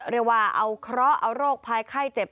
เรียกว่าเอาเคราะห์เอาโรคภัยไข้เจ็บ